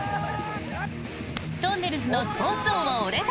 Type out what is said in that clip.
「とんねるずのスポーツ王は俺だ！！」